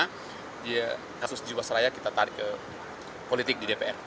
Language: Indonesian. karena kasus jiwasraya kita tarik ke politik di dpr